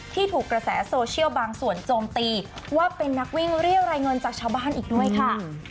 ถูกกระแสโซเชียลบางส่วนโจมตีว่าเป็นนักวิ่งเรียกรายเงินจากชาวบ้านอีกด้วยค่ะ